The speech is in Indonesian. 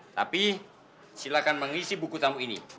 tapi silakan mengisi buku tamu ini